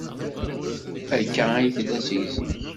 Akka ay tella seg zik.